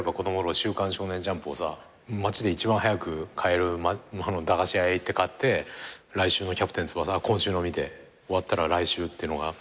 『週刊少年ジャンプ』をさ町で一番早く買える駄菓子屋へ行って買って『キャプテン翼』今週の見て終わったら来週ってのがあって。